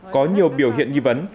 có nhiều biểu hiện nghi vấn